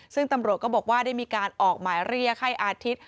ซึ่งตำรวจก็บอกว่าได้มีการออกหมายเรียกให้อาทิตย์